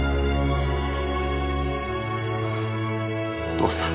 父さん。